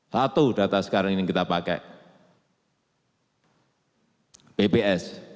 satu data sekarang ini kita pakai bps